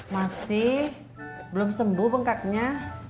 masih belum sembuh bengkaknya